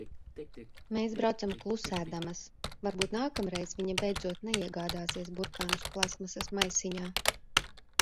Mēs braucam klusēdamas. Varbūt nākamreiz viņa beidzot neiegādāsies burkānus plastmasas maisiņā.